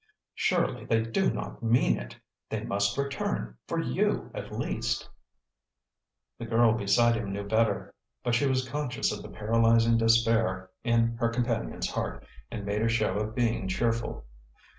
"Surely they do not mean it; they must return, for you, at least." The girl beside him knew better, but she was conscious of the paralyzing despair in her companion's heart, and made a show of being cheerful.